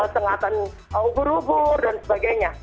sengatan ubur ubur dan sebagainya